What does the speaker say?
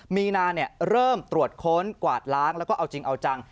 มีนาเริ่มตรวจค้นกวาดล้างแล้วก็เอาจริงเอาจัง